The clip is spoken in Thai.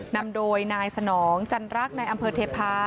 นำโดยนายสนองจันรักในอำเภอเทพาะ